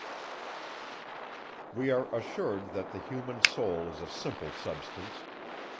We are assured, that the human soul is a simple substance.